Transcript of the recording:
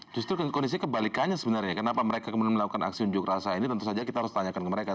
justru kondisi kebalikannya sebenarnya kenapa mereka kemudian melakukan aksi unjuk rasa ini tentu saja kita harus tanyakan ke mereka